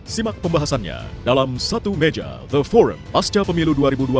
simak pembahasannya dalam satu meja the form pasca pemilu dua ribu dua puluh